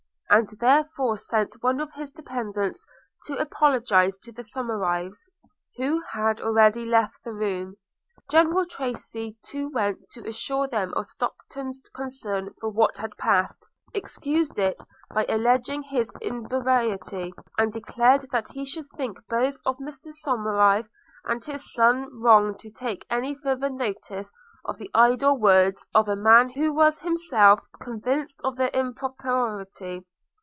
He therefore sent one of his dependents to apologize to the Somerives, who had already left the room: General Tracy too went to assure them of Stockton's concern for what had passed; excused it by alledging his inebriety, and declared that he should think both Mr Somerive and his son wrong to take any further notice of the idle words of a man who was himself convinced of their impropriety.